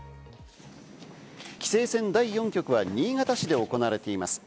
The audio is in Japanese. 棋聖戦第４局は新潟市で行われています。